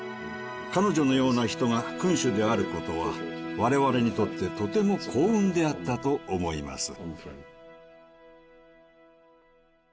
彼女のような人が君主であることは我々にとってとても幸運であったと思います。